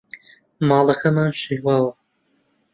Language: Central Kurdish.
ماڵەکەمان شێواوە.